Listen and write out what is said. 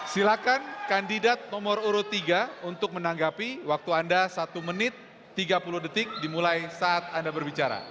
silakan kandidat nomor urut tiga untuk menanggapi waktu anda satu menit tiga puluh detik dimulai saat anda berbicara